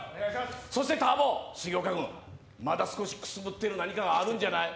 そしてたー坊、重岡くん、まだ少しくすぶってる何かがあるんじゃない？